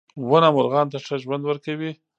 • ونه مرغانو ته ښه ژوند ورکوي.